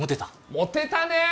モテたね！